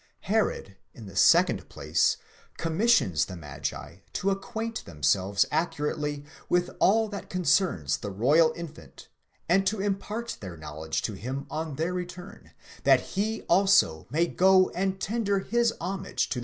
fferod, in the second place, commissions the magi to acquaint themselves accurately with all that concerns the royal infant, and to impart their know ledge to him on their return, that he also may go and tender his homage to.